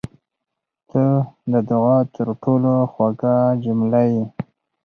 • ته د دعا تر ټولو خوږه جمله یې.